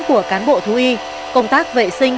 của cán bộ thú y công tác vệ sinh